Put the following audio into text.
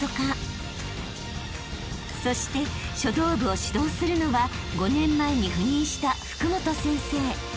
［そして書道部を指導するのは５年前に赴任した］